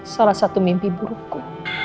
salah satu mimpi burukku